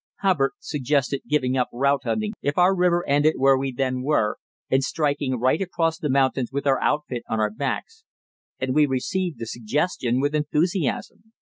Hubbard suggested giving up route hunting if our river ended where we then were, and striking right across the mountains with our outfit on our backs, and we received the suggestion with enthusiasm.